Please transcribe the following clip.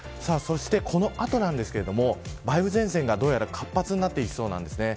そしてこの後ですが梅雨前線がどうやら活発になってきそうです。